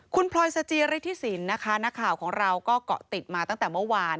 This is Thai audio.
คุณพลอยสจิริธิสินนะคะนักข่าวของเราก็เกาะติดมาตั้งแต่เมื่อวาน